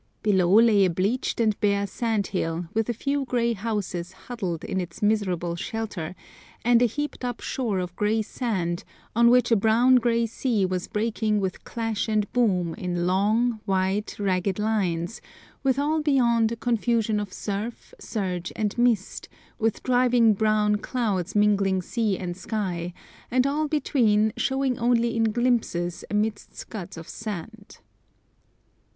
Below lay a bleached and bare sand hill, with a few grey houses huddled in its miserable shelter, and a heaped up shore of grey sand, on which a brown grey sea was breaking with clash and boom in long, white, ragged lines, with all beyond a confusion of surf, surge, and mist, with driving brown clouds mingling sea and sky, and all between showing only in glimpses amidst scuds of sand.